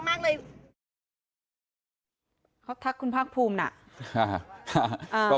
เขาทักคุณภาคภูมิน่ะก็